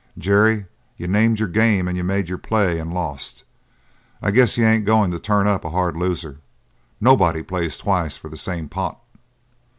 "Jerry, you named your game and made your play and lost. I guess you ain't going to turn up a hard loser. Nobody plays twice for the same pot."